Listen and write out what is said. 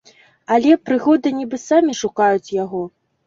Але прыгоды нібы самі шукаюць яго.